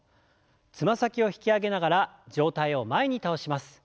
つま先を引き上げながら上体を前に倒します。